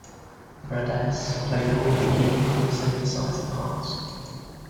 Rudess played all of the keyboard and synthesizer parts.